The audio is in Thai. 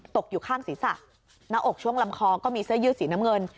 ตกอยู่ข้างศีรษะหน้าอกช่วงลำคอก็มีเสื้อยืดสีน้ำเงิน